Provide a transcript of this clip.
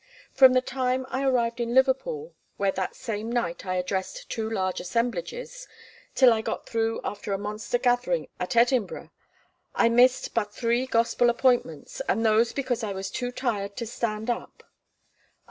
From the time I arrived in Liverpool, where that same night I addressed two large assemblages, till I got through after a monster gathering at Edinburgh, I missed but three Gospel appointments, and those because I was too tired to stand up.